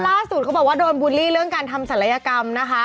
เขาบอกว่าโดนบูลลี่เรื่องการทำศัลยกรรมนะคะ